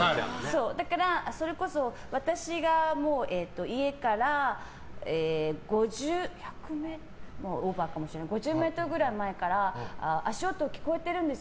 だから、それこそ私が家から５０１００ｍオーバーかもしれないけど５０ｍ前くらいから足音が聞こえてるんです。